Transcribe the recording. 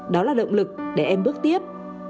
đó là động lực để em bước tiếp